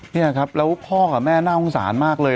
นี่ครับแล้วพ่อกับแม่น่าสงสารมากเลย